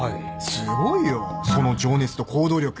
すごいよその情熱と行動力